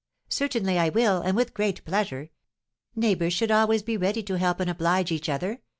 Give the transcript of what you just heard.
"Certainly I will, and with great pleasure; neighbours should always be ready to help and oblige each other.